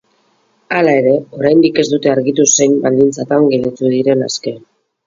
Hala ere, oraindik ez dute argitu zein baldintzatan gelditu diren aske.